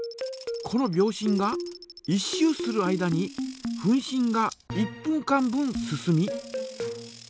この秒針が１周する間に分針が１分間分進み。